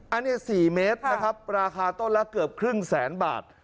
อันนี้๔เมตรนะครับราคาต้นละเกือบครึ่งแสนบาท